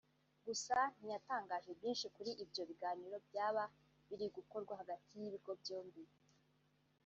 Gusa ntiyatangaje byinshi kuri ibyo biganiro byaba biri gukorwa hagati y’ibigo byombi